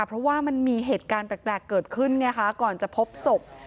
เพราะว่ามันมีเหตุการณ์แปลกเกิดขึ้นไงคะก่อนจะพบศพ